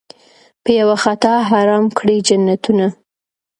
په یوه خطا حرام کړي جنتونه